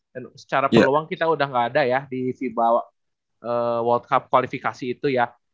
dan secara peluang kita udah gak ada ya di fiba world cup qualifier itu ya